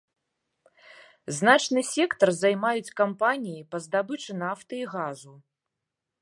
Значны сектар займаюць кампаніі па здабычы нафты і газу.